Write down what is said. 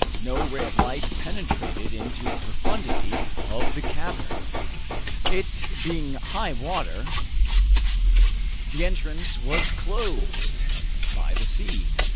No ray of light penetrated into the profundity of the cavern. It being high water, the entrance was closed by the sea.